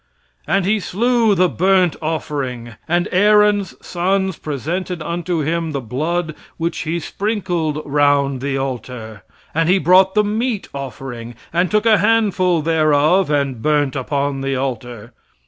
And he slew the burnt offering. And Aaron's sons presented unto him the blood which he sprinkled round about the altar.... And he brought the meat offering and took a handful thereof and burnt upon the altar.....